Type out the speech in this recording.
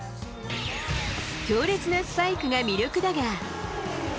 強烈なスパイクが魅力だが。